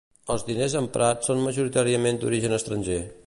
Els diners emprats són majoritàriament d'origen estranger.